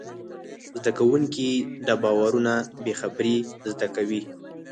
زدهکوونکي دا باورونه بېخبري زده کوي.